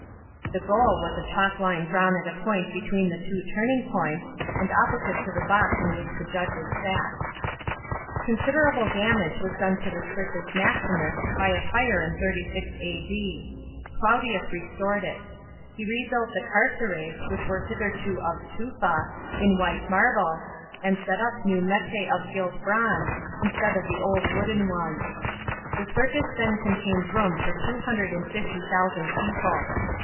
* The goal was a chalk line drawn at a point between the two turning points, and opposite to the box in which the judges sat. Considerable damage was done to the Circus Maximus by a fire in 36 A.D. Claudius restored it. He rebuilt the carceres, which were hitherto of tufa, in white marble, and set up new metas of gilt bronze, instead of the old wooden ones. The circus then con tained room for two hundred and fifty thousand people.